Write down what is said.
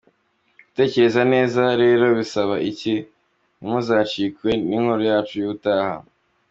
Gutekereza neza rero bisaba iki ? Ntimuzacikwe n’inkuru yacu y’ubutaha.